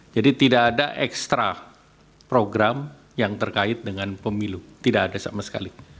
tidak ada ekstra program yang terkait dengan pemilu tidak ada sama sekali